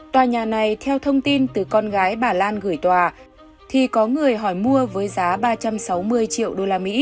tòa nhà này theo thông tin từ con gái bà lan gửi tòa thì có người hỏi mua với giá ba trăm sáu mươi triệu usd